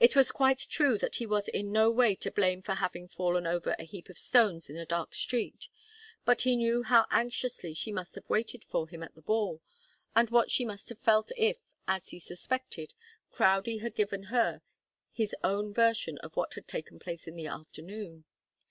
It was quite true that he was in no way to blame for having fallen over a heap of stones in a dark street, but he knew how anxiously she must have waited for him at the ball, and what she must have felt if, as he suspected, Crowdie had given her his own version of what had taken place in the afternoon.